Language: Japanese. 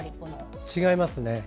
違いますね。